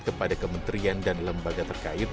kepada kementerian dan lembaga terkait